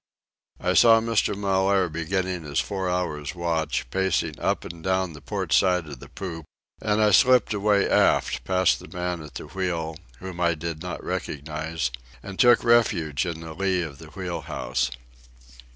I saw Mr. Mellaire beginning his four hours' watch, pacing up and down the port side of the poop; and I slipped away aft, past the man at the wheel, whom I did not recognize, and took refuge in the lee of the wheel house.